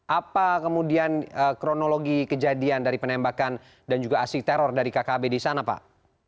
apa kemudian kronologi kejadian dari penembakan dan juga asik teror dari kkb di sana pak